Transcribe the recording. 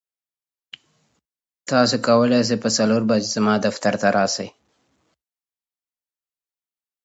آیا موږ کولی شو دا تیږه په اسمان کې وګورو؟